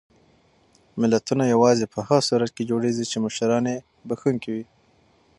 ملتونه یوازې په هغه صورت کې جوړېږي چې مشران یې بښونکي وي.